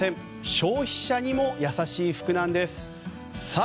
消費者にも優しい服なんです。